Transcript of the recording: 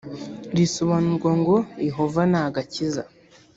risobanurwa ngo yehova ni agakiza